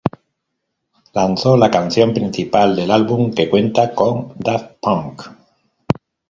Lanzó la canción principal del álbum, que cuenta con Daft Punk.